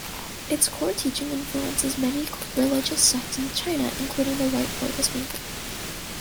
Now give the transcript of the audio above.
Its core teaching influences many religious sects in China, including the White Lotus movement.